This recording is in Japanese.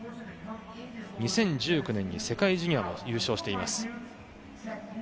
２０１９年に世界ジュニアを優勝しています。